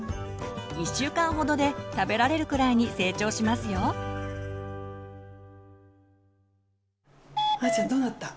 １週間ほどで食べられるくらいに成長しますよ！はちゃんどうなった？